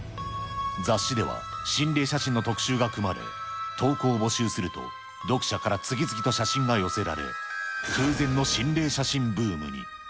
雑誌では心霊写真の特集が組まれ、投稿を募集すると読者から次々と写真が寄せられ、空前の心霊写真ブームに。